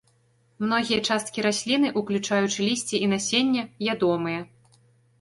Многія часткі расліны, уключаючы лісце і насенне, ядомыя.